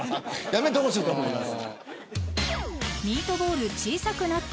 やめてほしいと思います。